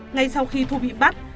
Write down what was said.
ngay sau khi thu bị bắt